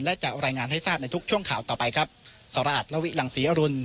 และจะรายงานให้ทราบในทุกช่วงข่าวต่อไปครับสรอัตลวิหลังศรีอรุณ